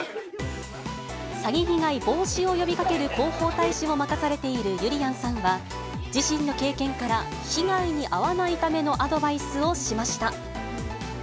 詐欺被害防止を呼びかける広報大使も任されているゆりやんさんは、自身の経験から、被害に遭わないためのアドバイスをしました。